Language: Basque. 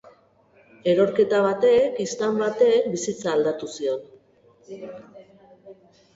Erorketa batek, istant batek, bizitza aldatu zion.